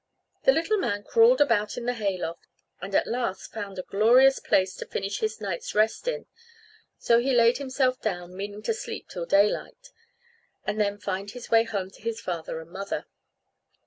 The little man crawled about in the hay loft, and at last found a glorious place to finish his night's rest in; so he laid himself down, meaning to sleep till daylight, and then find his way home to his father and mother.